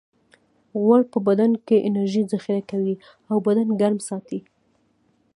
غوړ په بدن کې انرژي ذخیره کوي او بدن ګرم ساتي